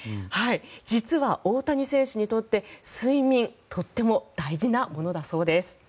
実は大谷選手にとって睡眠、とっても大事なものだそうです。